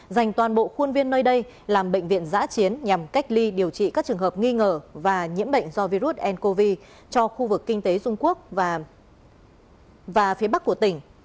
dành toàn bộ khuôn viên nơi đây làm bệnh viện giã chiến nhằm cách ly điều trị các trường hợp nghi ngờ và nhiễm bệnh do virus ncov cho khu vực kinh tế dung quốc và phía bắc của tỉnh